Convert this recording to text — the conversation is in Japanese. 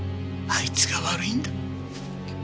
あいつが悪いんだ。